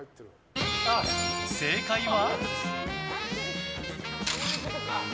正解は。